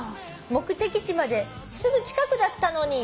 「目的地まですぐ近くだったのに。